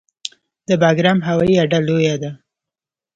د بګرام هوایي اډه لویه ده